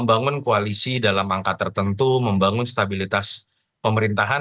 membangun koalisi dalam angka tertentu membangun stabilitas pemerintahan